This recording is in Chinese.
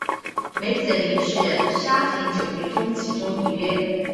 梅子林是沙田九约中其中一约。